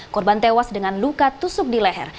korban tewas dengan luka tusuk di leher